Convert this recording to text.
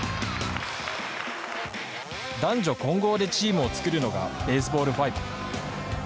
男女混合でチームを作るのがベースボール５。